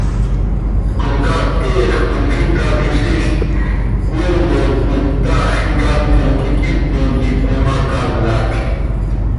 Comcaac queeej coi xicaquiziil oeenec coi, taax icaiitim quih quiipe quih cöimacaanatj.